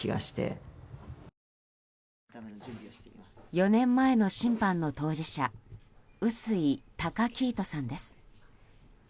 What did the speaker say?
４年前の審判の当事者臼井崇来人さんです。